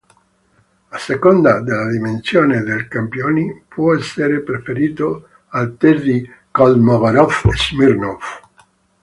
A seconda della dimensione dei campioni, può essere preferito al test di Kolmogorov-Smirnov.